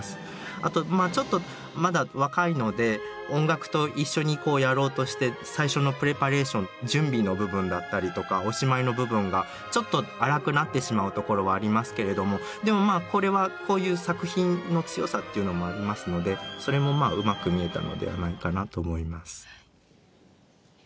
あとまあちょっとまだ若いので音楽と一緒にやろうとして最初のプレパレーション準備の部分だったりとかおしまいの部分がちょっと粗くなってしまうところはありますけれどもでもまあこれはこういう作品の強さっていうのもありますのでそれもまあうまく見えたのではないかなと思います。